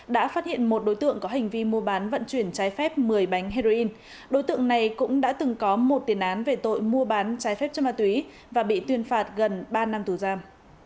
đã phát hiện một đối tượng có hành vi mua bán vận chuyển trái phép một mươi bánh heroin đối tượng này cũng đã từng có một tiền án về tội mua bán trái phép chất ma túy và bị tuyên phạt gần ba năm tù giam